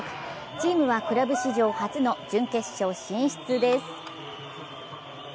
チームはクラブ史上初の準決勝進出です。